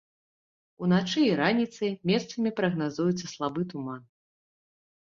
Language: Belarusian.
Уначы і раніцай месцамі прагназуецца слабы туман.